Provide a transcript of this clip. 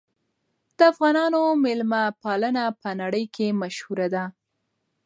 د افغانانو مېلمه پالنه په نړۍ کې مشهوره ده.